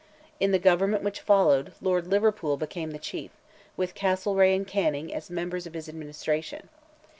In the government which followed, Lord Liverpool became the chief, with Castlereagh and Canning as members of his administration.